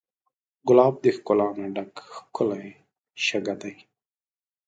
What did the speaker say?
ګلاب د ښکلا نه ډک ښکلی شګه دی.